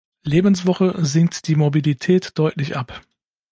Lebenswoche sinkt die Morbidität deutlich ab.